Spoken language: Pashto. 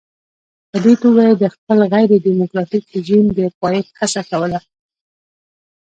په دې توګه یې د خپل غیر ډیموکراټیک رژیم د پایښت هڅه کوله.